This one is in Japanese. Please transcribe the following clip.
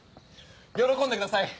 喜んでください！